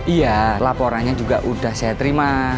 iya laporannya juga sudah saya terima